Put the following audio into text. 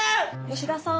吉田さん。